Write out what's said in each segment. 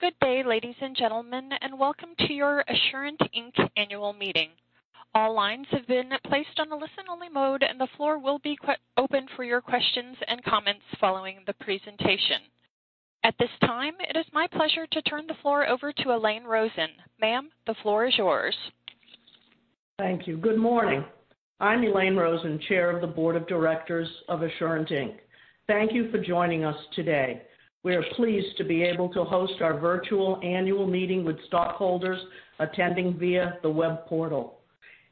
Good day, ladies and gentlemen, and welcome to your Assurant, Inc. annual meeting. All lines have been placed on a listen-only mode, and the floor will be open for your questions and comments following the presentation. At this time, it is my pleasure to turn the floor over to Elaine Rosen. Ma'am, the floor is yours. Thank you. Good morning. I'm Elaine Rosen, chair of the board of directors of Assurant Inc. Thank you for joining us today. We are pleased to be able to host our virtual annual meeting with stockholders attending via the web portal.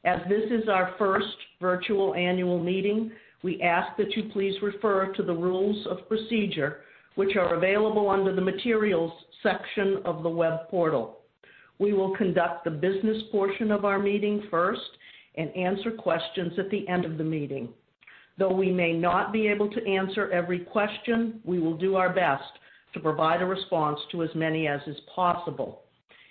As this is our first virtual annual meeting, we ask that you please refer to the rules of procedure, which are available under the Materials section of the web portal. We will conduct the business portion of our meeting first and answer questions at the end of the meeting. Though we may not be able to answer every question, we will do our best to provide a response to as many as is possible.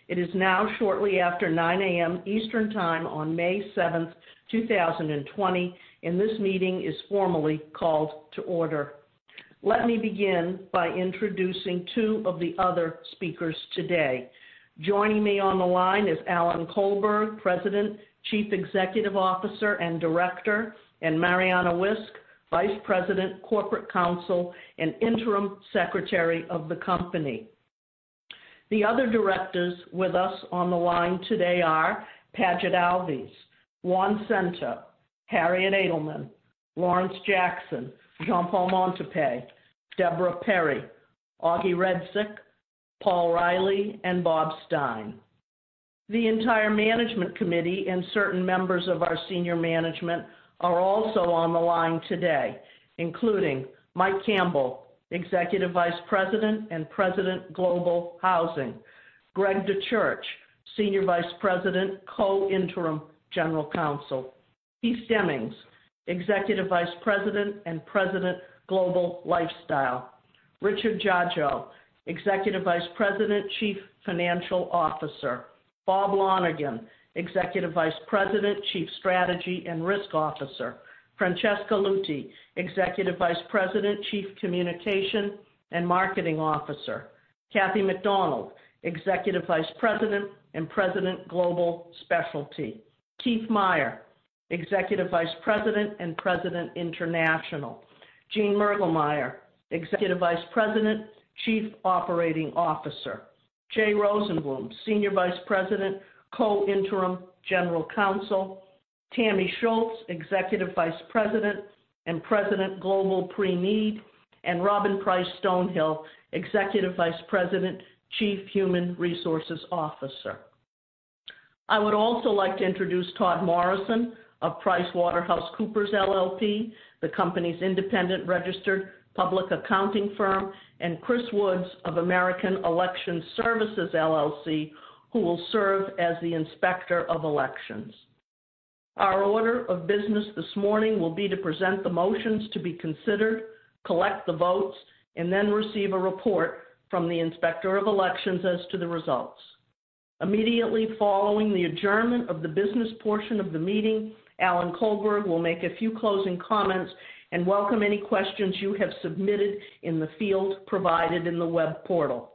It is now shortly after 9:00 A.M. Eastern Time on May 7th, 2020, and this meeting is formally called to order. Let me begin by introducing two of the other speakers today. Joining me on the line is Alan Colberg, President, Chief Executive Officer, and Director, and Mariana Wisk, Vice President, Corporate Counsel, and interim Secretary of the company. The other directors with us on the line today are Paget Alves, Juan Cento, Harriet Edelman, Lawrence Jackson, Jean-Paul Montupet, Debra Perry, Ognjen Redzic, Paul Reilly, and Bob Stein. The entire management committee and certain members of our senior management are also on the line today, including Mike Campbell, Executive Vice President and President Global Housing, Greg DeChurch, Senior Vice President, co-interim General Counsel, Keith Demmings, Executive Vice President and President Global Lifestyle, Richard Dziadzio, Executive Vice President, Chief Financial Officer, Bob Lonergan, Executive Vice President, Chief Strategy and Risk Officer, Francesca Luthi, Executive Vice President, Chief Communication and Marketing Officer, Kathy McDonald, Executive Vice President and President Global Specialty, Keith Meier, Executive Vice President and President International, Gene Mergelmeyer, Executive Vice President, Chief Operating Officer, Jay Rosenblum, Senior Vice President, co-interim General Counsel, Tammy Schultz, Executive Vice President and President Global Preneed, and Robyn Price Stonehill, Executive Vice President, Chief Human Resources Officer. I would also like to introduce Todd Morrison of PricewaterhouseCoopers LLP, the company's independent registered public accounting firm, and Chris Woods of American Election Services, LLC, who will serve as the inspector of elections. Our order of business this morning will be to present the motions to be considered, collect the votes, and then receive a report from the inspector of elections as to the results. Immediately following the adjournment of the business portion of the meeting, Alan Colberg will make a few closing comments and welcome any questions you have submitted in the field provided in the web portal.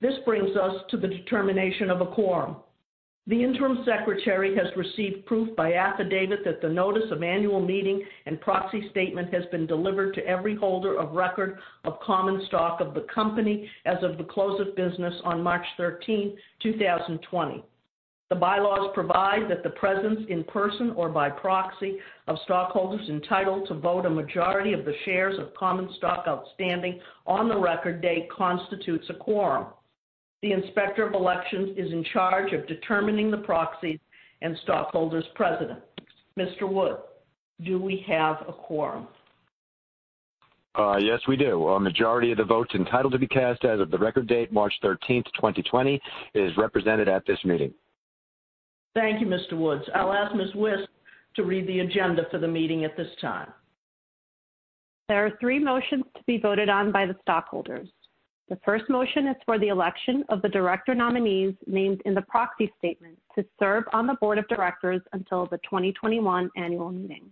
This brings us to the determination of a quorum. The interim secretary has received proof by affidavit that the notice of annual meeting and proxy statement has been delivered to every holder of record of common stock of the company as of the close of business on March 13, 2020. The bylaws provide that the presence in person or by proxy of stockholders entitled to vote a majority of the shares of common stock outstanding on the record date constitutes a quorum. The inspector of elections is in charge of determining the proxies and stockholders present. Mr. Woods, do we have a quorum? Yes, we do. A majority of the votes entitled to be cast as of the record date, March 13th, 2020, is represented at this meeting. Thank you, Mr. Woods. I'll ask Ms. Wisk to read the agenda for the meeting at this time. There are three motions to be voted on by the stockholders. The first motion is for the election of the director nominees named in the proxy statement to serve on the board of directors until the 2021 annual meeting.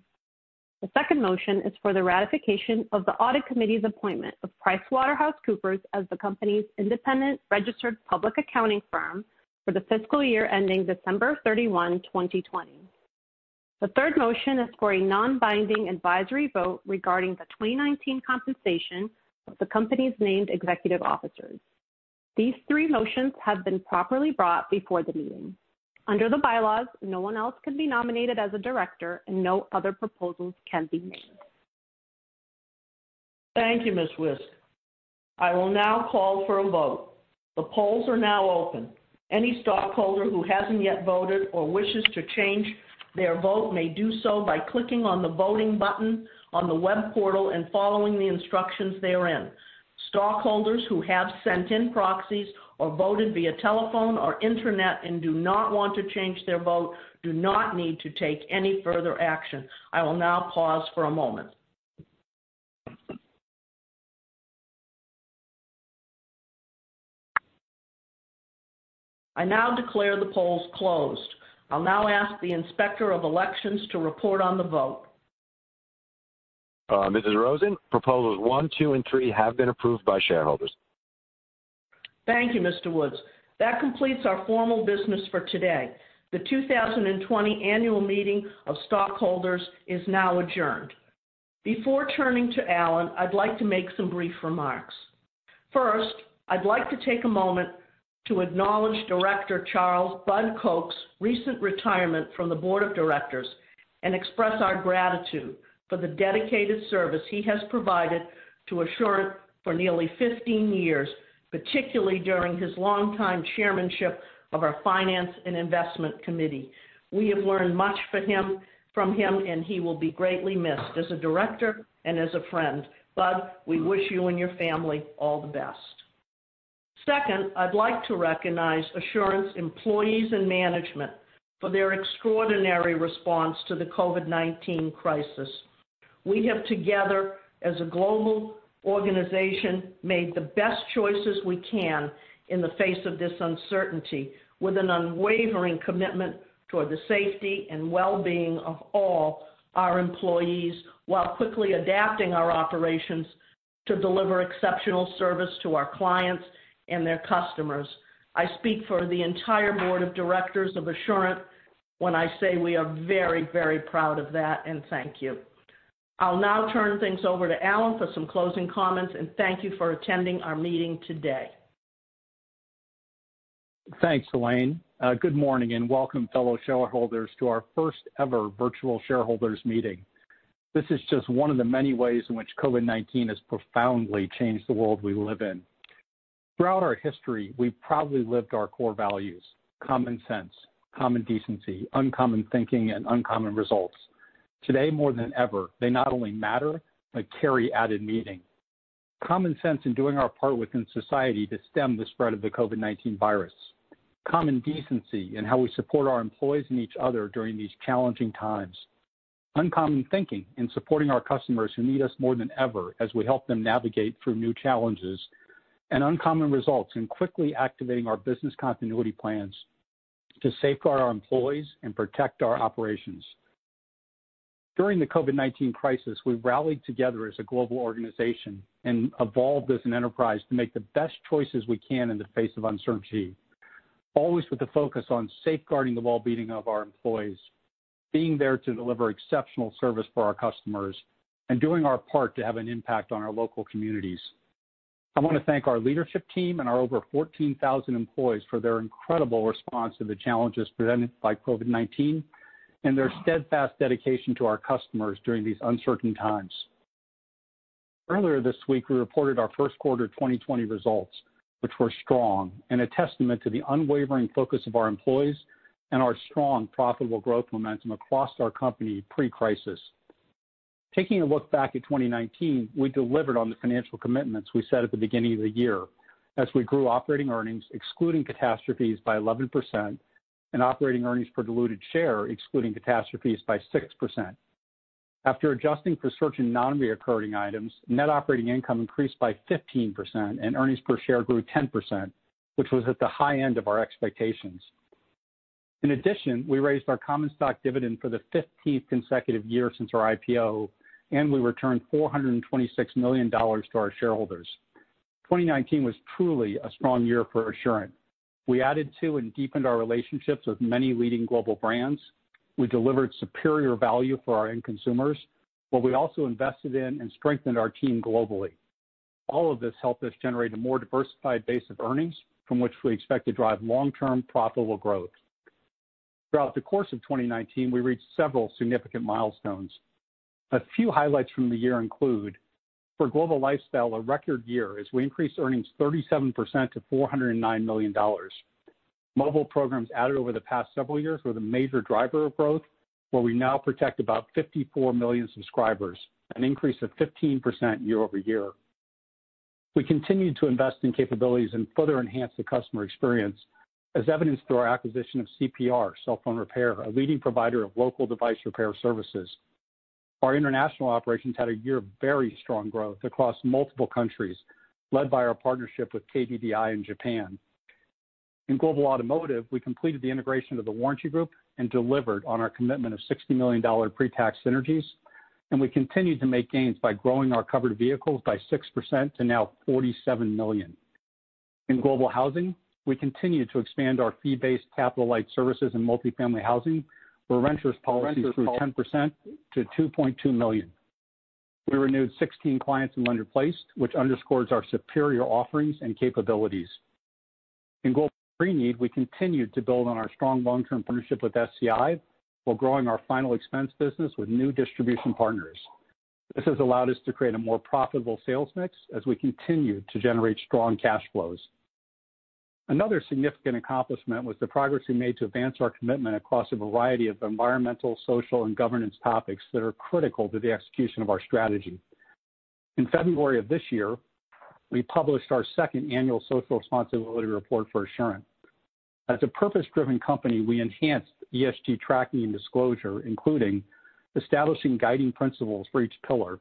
The second motion is for the ratification of the Audit Committee's appointment of PricewaterhouseCoopers as the company's independent registered public accounting firm for the fiscal year ending December 31, 2020. The third motion is for a non-binding advisory vote regarding the 2019 compensation of the company's named executive officers. These three motions have been properly brought before the meeting. Under the bylaws, no one else can be nominated as a director, and no other proposals can be made. Thank you, Ms. Wisk. I will now call for a vote. The polls are now open. Any stockholder who hasn't yet voted or wishes to change their vote may do so by clicking on the voting button on the web portal and following the instructions therein. Stockholders who have sent in proxies or voted via telephone or internet and do not want to change their vote do not need to take any further action. I will now pause for a moment. I now declare the polls closed. I'll now ask the Inspector of Elections to report on the vote. Mrs. Rosen, Proposals One, two, and three have been approved by shareholders. Thank you, Mr. Woods. That completes our formal business for today. The 2020 annual meeting of stockholders is now adjourned. Before turning to Alan, I'd like to make some brief remarks. First, I'd like to take a moment to acknowledge Director Charles "Bud" Koch's recent retirement from the board of directors and express our gratitude for the dedicated service he has provided to Assurant for nearly 15 years, particularly during his longtime chairmanship of our finance and investment committee. We have learned much from him, and he will be greatly missed as a director and as a friend. Bud, we wish you and your family all the best. Second, I'd like to recognize Assurant's employees and management for their extraordinary response to the COVID-19 crisis. We have, together as a global organization, made the best choices we can in the face of this uncertainty with an unwavering commitment toward the safety and wellbeing of all our employees while quickly adapting our operations to deliver exceptional service to our clients and their customers. I speak for the entire board of directors of Assurant when I say we are very, very proud of that, and thank you. I'll now turn things over to Alan for some closing comments, and thank you for attending our meeting today. Thanks, Elaine. Good morning, and welcome fellow shareholders to our first ever virtual shareholders meeting. This is just one of the many ways in which COVID-19 has profoundly changed the world we live in. Throughout our history, we've proudly lived our core values, common sense, common decency, uncommon thinking, and uncommon results. Today more than ever, they not only matter, but carry added meaning. Common sense in doing our part within society to stem the spread of the COVID-19 virus, common decency in how we support our employees and each other during these challenging times, uncommon thinking in supporting our customers who need us more than ever as we help them navigate through new challenges, and uncommon results in quickly activating our business continuity plans to safeguard our employees and protect our operations. During the COVID-19 crisis, we rallied together as a global organization and evolved as an enterprise to make the best choices we can in the face of uncertainty, always with the focus on safeguarding the wellbeing of our employees, being there to deliver exceptional service for our customers, and doing our part to have an impact on our local communities. I want to thank our leadership team and our over 14,000 employees for their incredible response to the challenges presented by COVID-19 and their steadfast dedication to our customers during these uncertain times. Earlier this week, we reported our first quarter 2020 results, which were strong and a testament to the unwavering focus of our employees and our strong, profitable growth momentum across our company pre-crisis. Taking a look back at 2019, we delivered on the financial commitments we set at the beginning of the year as we grew operating earnings, excluding catastrophes, by 11%, and operating earnings per diluted share, excluding catastrophes, by 6%. After adjusting for certain non-recurring items, net operating income increased by 15% and earnings per share grew 10%, which was at the high end of our expectations. In addition, we raised our common stock dividend for the 15th consecutive year since our IPO, and we returned $426 million to our shareholders. 2019 was truly a strong year for Assurant. We added to and deepened our relationships with many leading global brands. We delivered superior value for our end consumers, we also invested in and strengthened our team globally. All of this helped us generate a more diversified base of earnings from which we expect to drive long-term profitable growth. Throughout the course of 2019, we reached several significant milestones. A few highlights from the year include for Global Lifestyle, a record year as we increased earnings 37% to $409 million. Mobile programs added over the past several years were the major driver of growth, where we now protect about 54 million subscribers, an increase of 15% year-over-year. We continued to invest in capabilities and further enhance the customer experience as evidenced through our acquisition of CPR Cell Phone Repair, a leading provider of local device repair services. Our international operations had a year of very strong growth across multiple countries led by our partnership with KDDI in Japan. In Global Automotive, we completed the integration of The Warranty Group and delivered on our commitment of $60 million pre-tax synergies, and we continued to make gains by growing our covered vehicles by 6% to now 47 million. In Global Housing, we continued to expand our fee-based capital light services and Multifamily Housing where renters policies grew 10% to $2.2 million. We renewed 16 clients in lender-placed, which underscores our superior offerings and capabilities. In Global Preneed, we continued to build on our strong long-term partnership with SCI while growing our final expense business with new distribution partners. This has allowed us to create a more profitable sales mix as we continue to generate strong cash flows. Another significant accomplishment was the progress we made to advance our commitment across a variety of environmental, social, and governance topics that are critical to the execution of our strategy. In February of this year, we published our second annual social responsibility report for Assurant. As a purpose-driven company, we enhanced ESG tracking and disclosure, including establishing guiding principles for each pillar,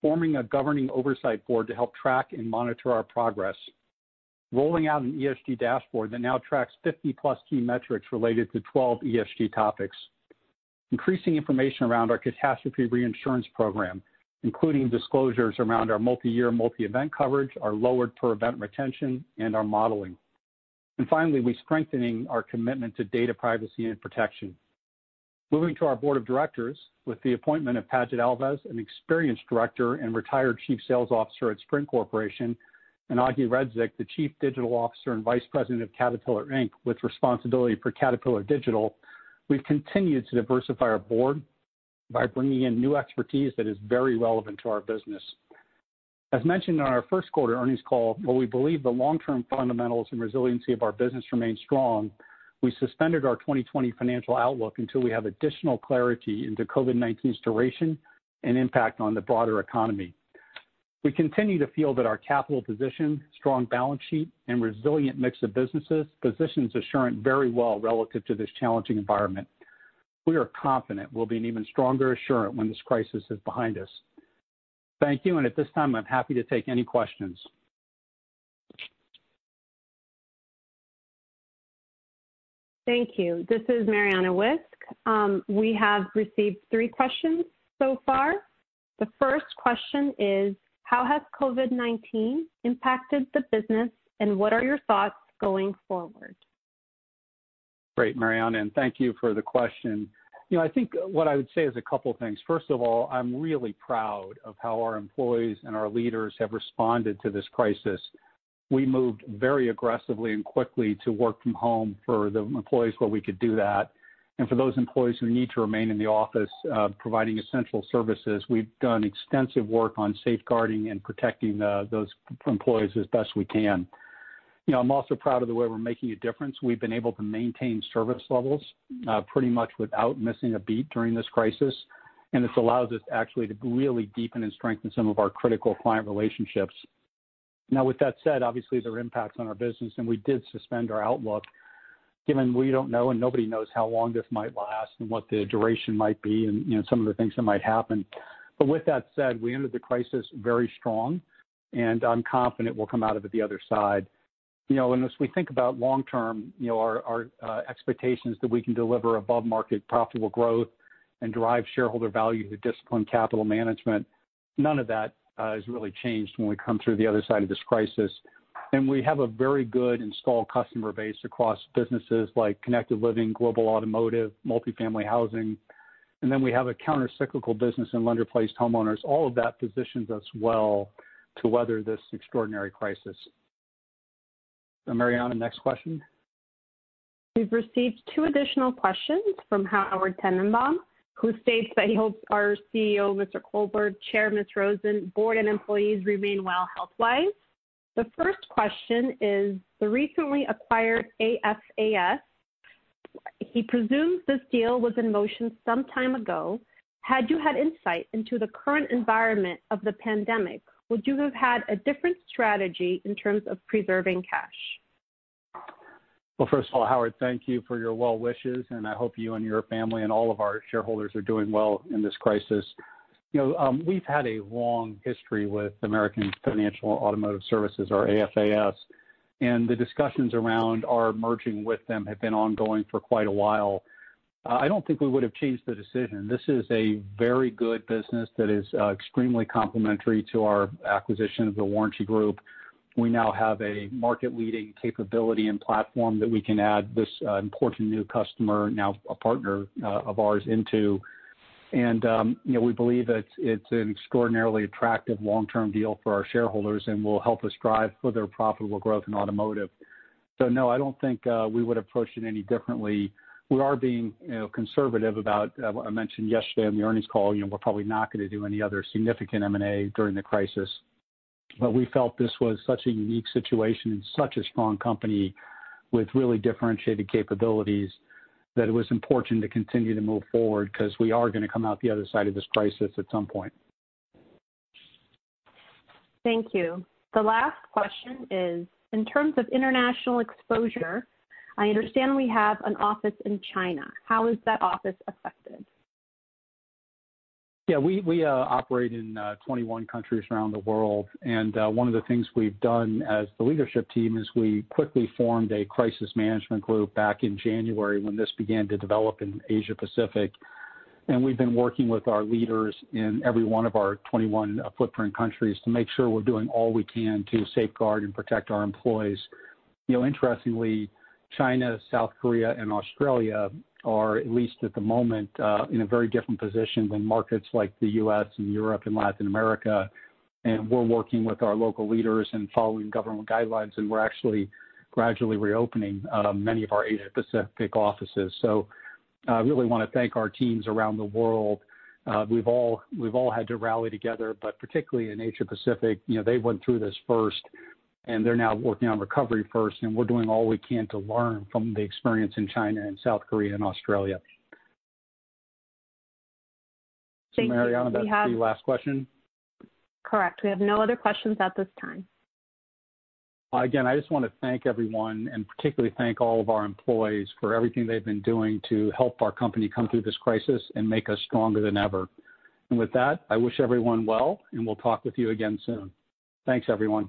forming a governing oversight board to help track and monitor our progress, rolling out an ESG dashboard that now tracks 50+ key metrics related to 12 ESG topics, increasing information around our catastrophe reinsurance program, including disclosures around our multi-year, multi-event coverage, our lowered per-event retention, and our modeling. Finally, we're strengthening our commitment to data privacy and protection. Moving to our board of directors, with the appointment of Paget Alves, an experienced Director and retired Chief Sales Officer at Sprint Corporation, and Ognjen Redzic, the Chief Digital Officer and Vice President of Caterpillar Inc., with responsibility for Cat Digital, we've continued to diversify our board by bringing in new expertise that is very relevant to our business. As mentioned on our first quarter earnings call, while we believe the long-term fundamentals and resiliency of our business remain strong, we suspended our 2020 financial outlook until we have additional clarity into COVID-19's duration and impact on the broader economy. We continue to feel that our capital position, strong balance sheet, and resilient mix of businesses positions Assurant very well relative to this challenging environment. We are confident we'll be an even stronger Assurant when this crisis is behind us. Thank you, and at this time, I'm happy to take any questions. Thank you. This is Mariana Wisk. We have received three questions so far. The first question is, how has COVID-19 impacted the business, and what are your thoughts going forward? Great, Mariana, and thank you for the question. I think what I would say is a couple of things. First of all, I'm really proud of how our employees and our leaders have responded to this crisis. We moved very aggressively and quickly to work from home for the employees where we could do that. For those employees who need to remain in the office providing essential services, we've done extensive work on safeguarding and protecting those employees as best we can. I'm also proud of the way we're making a difference. We've been able to maintain service levels pretty much without missing a beat during this crisis, and it's allowed us actually to really deepen and strengthen some of our critical client relationships. With that said, obviously there are impacts on our business. We did suspend our outlook given we don't know and nobody knows how long this might last and what the duration might be and some of the things that might happen. With that said, we entered the crisis very strong. I'm confident we'll come out of it the other side. As we think about long-term, our expectations that we can deliver above-market profitable growth and drive shareholder value through disciplined capital management, none of that has really changed when we come through the other side of this crisis. We have a very good installed customer base across businesses like Connected Living, Global Automotive, Multifamily Housing. We have a counter-cyclical business in lender-placed homeowners. All of that positions us well to weather this extraordinary crisis. Mariana, next question. We've received two additional questions from Howard Tenenbaum, who states that he hopes our CEO, Mr. Colberg, Chair, Ms. Rosen, board, and employees remain well health-wise. The first question is the recently acquired AFAS. He presumes this deal was in motion some time ago. Had you had insight into the current environment of the pandemic, would you have had a different strategy in terms of preserving cash? First of all, Howard, thank you for your well wishes, and I hope you and your family and all of our shareholders are doing well in this crisis. We've had a long history with American Financial Automotive Services, or AFAS, and the discussions around our merging with them have been ongoing for quite a while. I don't think we would have changed the decision. This is a very good business that is extremely complementary to our acquisition of The Warranty Group. We now have a market-leading capability and platform that we can add this important new customer, now a partner of ours, into. We believe it's an extraordinarily attractive long-term deal for our shareholders and will help us drive further profitable growth in automotive. No, I don't think we would approach it any differently. We are being conservative about what I mentioned yesterday on the earnings call. We're probably not going to do any other significant M&A during the crisis. We felt this was such a unique situation and such a strong company with really differentiated capabilities that it was important to continue to move forward because we are going to come out the other side of this crisis at some point. Thank you. The last question is, in terms of international exposure, I understand we have an office in China. How is that office affected? We operate in 21 countries around the world. One of the things we've done as the leadership team is we quickly formed a crisis management group back in January when this began to develop in Asia Pacific. We've been working with our leaders in every one of our 21 footprint countries to make sure we're doing all we can to safeguard and protect our employees. Interestingly, China, South Korea, and Australia are, at least at the moment, in a very different position than markets like the U.S. and Europe and Latin America. We're working with our local leaders and following government guidelines, and we're actually gradually reopening many of our Asia Pacific offices. I really want to thank our teams around the world. We've all had to rally together, but particularly in Asia Pacific, they went through this first, and they're now working on recovery first, and we're doing all we can to learn from the experience in China and South Korea and Australia. Thank you. Mariana, that's the last question? Correct. We have no other questions at this time. I just want to thank everyone and particularly thank all of our employees for everything they've been doing to help our company come through this crisis and make us stronger than ever. With that, I wish everyone well, and we'll talk with you again soon. Thanks, everyone.